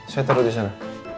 saya taruh disana